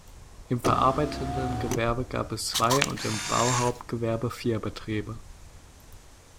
Im verarbeitenden Gewerbe gab es zwei und im Bauhauptgewerbe vier Betriebe.